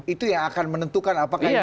itu yang akan menentukan apakah ini